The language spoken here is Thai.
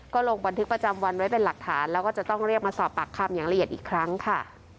ก็ลงบันทึกประจำวันไว้เป็นหลักฐานแล้วก็จะต้องเรียกมาสอบปากคำอย่างละเอียดอีกครั้งค่ะ